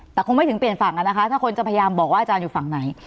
แต่คงไม่ถึงเปลี่ยนฝั่งอะนะคะถ้าคนจะพยายามบอกว่าอาจารย์อยู่ฝั่งไหน